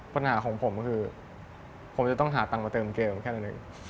ปัญหาของผมคือผมจะต้องหาตังค์มาเติมเกมแค่นั้นเอง